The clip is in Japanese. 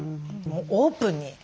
オープンに。